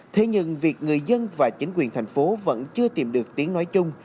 thế nhưng việc người dân và chính quyền thành phố vẫn chưa tìm được tiếng nói chung